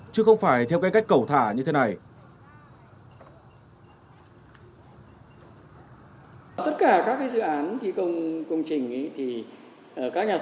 chứ không phải theo cái cách cầu thả như thế này